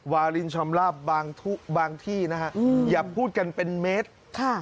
วาลินชำลาบบางที่นะฮะอย่าพูดกันเป็นเมตร